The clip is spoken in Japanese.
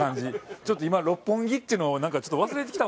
ちょっと今六本木っていうのをなんか忘れてきたもんな。